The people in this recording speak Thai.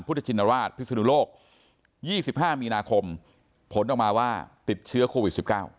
พุทธชินราชพิศนุโลก๒๕มีนาคมผลออกมาว่าติดเชื้อโควิด๑๙